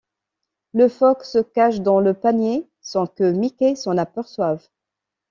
Le phoque se cache dans le panier sans que Mickey s'en aperçoive.